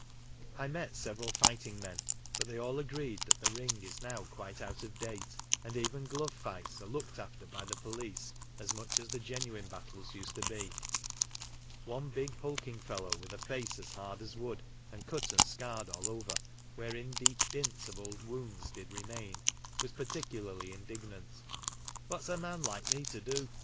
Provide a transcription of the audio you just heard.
Imetseveralfightingmen, butthey all agreed that the Ring is now quite out of date, and even glove fights are looked after by the police as much as the genuine battles used to be. One big hulking fellow, with a face as hard as wood, and cut and scarred all over,^ " wherein deep dints of old wounds did remain," was particularly indignant. " What's a man like me to do